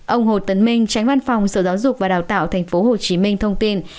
ông hồ tấn minh tránh văn phòng sở giáo dục và đào tạo thành phố hồ chí minh thông tin